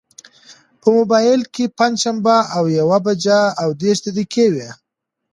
په مبایل کې پنجشنبه او یوه بجه او دېرش دقیقې وې.